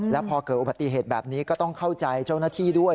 แล้วพอเกิดอุบัติเหตุแบบนี้ก็ต้องเข้าใจเจ้าหน้าที่ด้วย